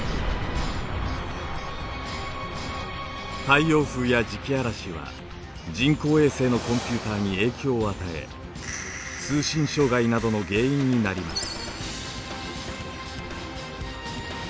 太陽風や磁気嵐は人工衛星のコンピューターに影響を与え通信障害などの原因になります。